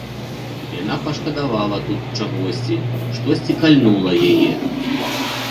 Яна пашкадавала тут чагосьці, штосьці кальнула яе.